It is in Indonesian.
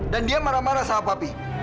dan dia marah marah sama papi